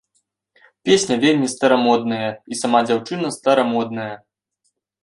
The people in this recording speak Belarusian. Песня вельмі старамодная і сама дзяўчына старамодная.